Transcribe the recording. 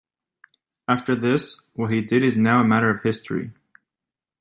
After this, what he did is now a matter of history.